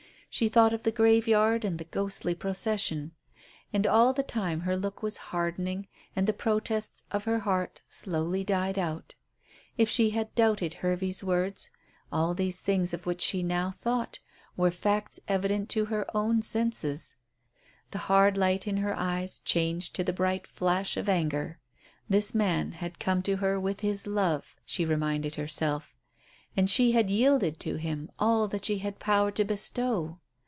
She thought of the graveyard and the ghostly procession. And all the time her look was hardening and the protests of her heart slowly died out. If she had doubted Hervey's words, all these things of which she now thought were facts evident to her own senses. The hard light in her eyes changed to the bright flash of anger. This man had come to her with his love, she reminded herself, and she had yielded to him all that she had power to bestow.